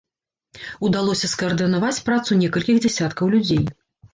Удалося скаардынаваць працу некалькіх дзясяткаў людзей.